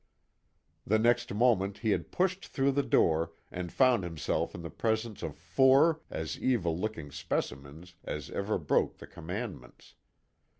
The next moment he had pushed through the door, and found himself in the presence of four as evil looking specimens as ever broke the commandments.